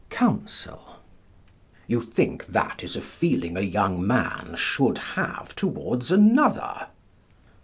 Counsel: You think that is a feeling a young man should have towards another?